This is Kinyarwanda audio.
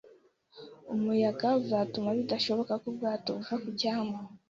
Umuyaga uzatuma bidashoboka ko ubwato buva ku cyambu